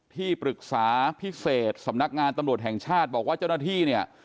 ที่ปรึกษาพิเศษสำนักงานตำรวจแห่งชาติบอกว่าเจ้าหน้าที่เนี่ย